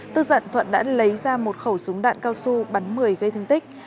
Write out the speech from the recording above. tức giận thuận đã lấy ra một khẩu súng đạn cao su bắn một mươi gây thương tích